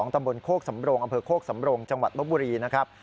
ตำบลโคกสำโรงอำเภอโคกสำโรงจังหวัดลบบุรีนะครับ